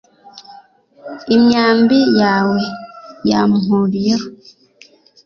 imyambi yawe yampuriyeho